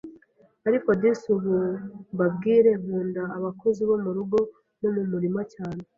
ariko disi ubu mbabwire, nkunda abakozi bo mu rugo no mu murima cyane,